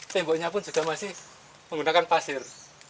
temboknya pun juga masih menggunakan pasir